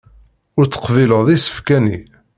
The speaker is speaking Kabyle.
Ur teqbileḍ isefka-nni.